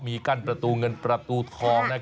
มีกั้นประตูเงินประตูทอง